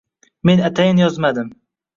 Men atayin yozmadim